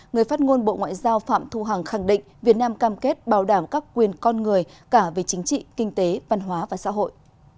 người phát ngôn bộ ngoại giao phạm thu hằng khẳng định việt nam cam kết bảo đảm các quyền con người cả về chính trị kinh tế văn hóa và xã hội